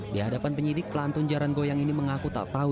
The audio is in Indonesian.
di hadapan penyidik pelantun jaran goyang ini mengaku tak tahu